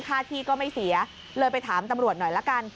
ค่าที่ก็ไม่เสียเลยไปถามตำรวจหน่อยละกัน